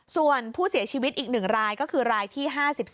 ส่วนผู้เสียชีวิตอีก๑รายก็คือรายที่๕๒